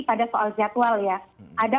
pada soal jadwal ya ada